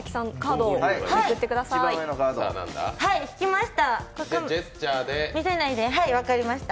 はい、引きました。